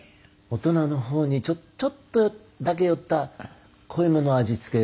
大人の方にちょっとだけ寄った濃いめの味付け